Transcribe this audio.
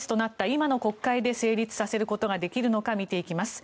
今の国会で成立させることができるのか見ていきます。